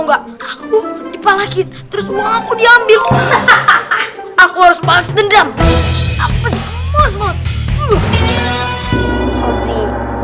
enggak aku dipalagi terus uang aku diambil hahaha aku harus balas dendam apa sih